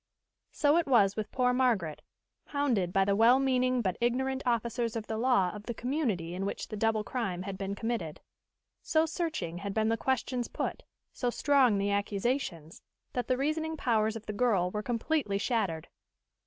So it was with poor Margaret, hounded by the well meaning but ignorant officers of the law of the community in which the double crime had been committed. So searching had been the questions put, so strong the accusations, that the reasoning powers of the girl were completely shattered.